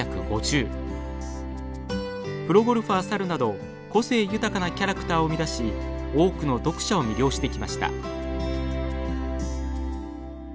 「プロゴルファー猿」など個性豊かなキャラクターを生み出し多くの読者を魅了してきました。